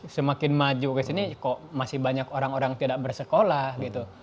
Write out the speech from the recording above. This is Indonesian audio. ya dunia semakin maju kesini kok masih banyak orang orang tidak bersekolah gitu